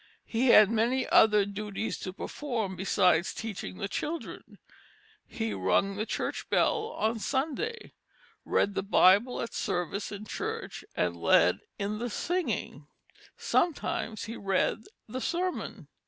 He had many other duties to perform besides teaching the children. He rung the church bell on Sunday, read the Bible at service in church, and led in the singing; sometimes he read the sermon.